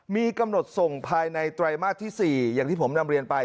มีกำหนดส่งภายในไตรมาสที่๔อย่างที่ผมนำเรียนไป